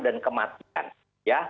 dan kematian ya